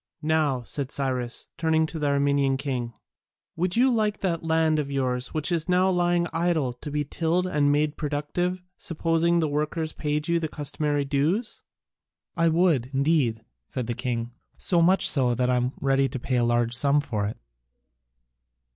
"Now," said Cyrus, turning to the Armenian king, "would you like that land of yours which is now lying idle to be tilled and made productive, supposing the workers paid you the customary dues?" "I would, indeed," said the king, "so much so that I am ready to pay a large sum for it.